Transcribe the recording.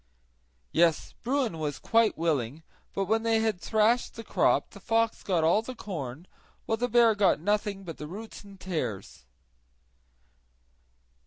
Yes, Bruin was quite willing; but when they had thrashed the crop the fox got all the corn, while the bear got nothing but the roots and tares.